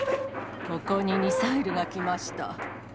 ここにミサイルが来ました。